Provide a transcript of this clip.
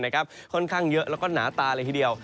ค่อนข้างเยอะแล้วก็หนาตาเลยทีเดียว